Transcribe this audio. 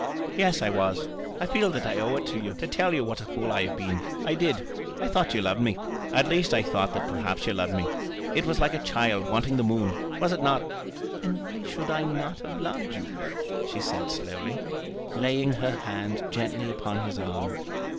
"Yes, I was. I feel that I owe it you to tell you what a fool I have been. I did. I thought you loved me. At least I thought that perhaps you loved me. It was like a child wanting the moon; was it not?" "And why should I not have loved you?" she said slowly, laying her hand gently upon his arm.